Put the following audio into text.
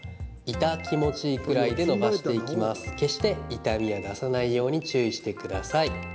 決して痛みを出さないように注意してください。